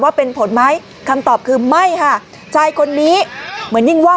เป็นผลไหมคำตอบคือไม่ค่ะชายคนนี้เหมือนยิ่งว่า